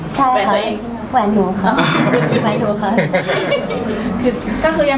ใช่ค่ะแวนหนูค่ะ